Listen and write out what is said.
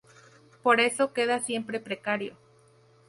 Pero eso queda siempre precario.